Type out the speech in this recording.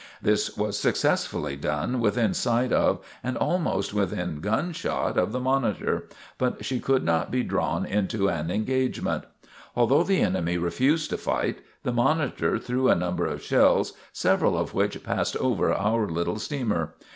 This was successfully done within sight of and almost within gun shot of the "Monitor," but she could not be drawn into an engagement. Although the enemy refused to fight, the "Monitor" threw a number of shells, several of which passed over our little steamer.